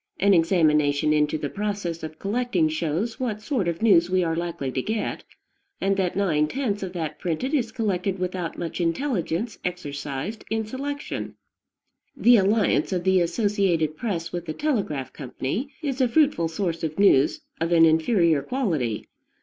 An examination into the process of collecting shows what sort of news we are likely to get, and that nine tenths of that printed is collected without much intelligence exercised in selection. The alliance of the associated press with the telegraph company is a fruitful source of news of an inferior quality.